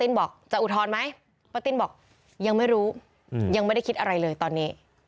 บอกจะอุทธรณ์ไหมป้าติ้นบอกยังไม่รู้ยังไม่ได้คิดอะไรเลยตอนนี้